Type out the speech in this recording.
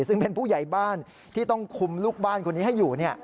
ซึ่งเป็นผู้ใหญ่บ้านที่ต้องคุมลูกบ้านคนนี้ให้อยู่